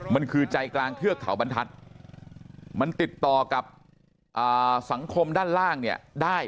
มันคือใจกลางเทือกเขาบรรทัศน์มันติดต่อกับสังคมด้านล่างเนี่ยได้